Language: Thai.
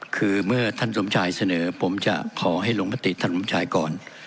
คือเมื่อท่านสมชายเสนอผมจะขอให้ลงมติท่านสมชายก่อน